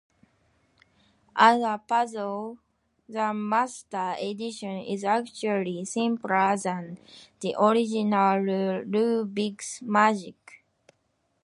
As a puzzle, the Master Edition is actually simpler than the original Rubik's Magic.